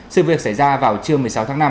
sự việc xảy ra vào trưa một mươi sáu tháng năm